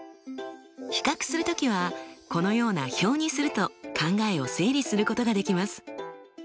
比較する時はこのような表にすると考えを整理することができます。